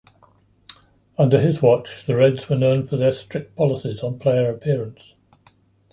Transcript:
Under his watch, the Reds were known for their strict policies on player appearance.